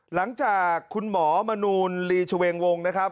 หลังจากคุณหมอมนูลลีชเวงวงนะครับ